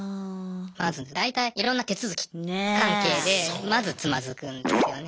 まず大体いろんな手続き関係でまずつまずくんですよね。